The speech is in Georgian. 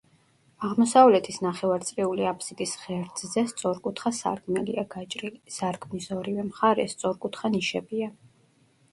აღმოსავლეთის ნახევარწრიული აფსიდის ღერძზე სწორკუთხა სარკმელია გაჭრილი, სარკმლის ორივე მხარეს სწორკუთხა ნიშებია.